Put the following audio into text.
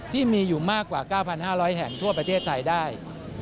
ที่มีอยู่มากกว่า๙๕๐๐แห่งทั่วประเทศไทยได้